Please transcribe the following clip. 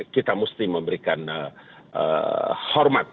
kita mesti memberikan hormat